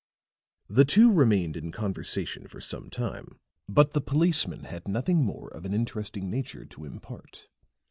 The two remained in conversation for some time; but the policeman had nothing more of an interesting nature to impart.